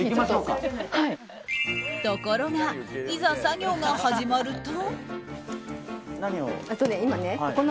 ところがいざ作業が始まると。